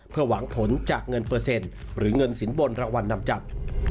เพื่อหวังผลจากเงินเปอร์เซ็นต์หรือเงินสินบนรางวัลนำจับ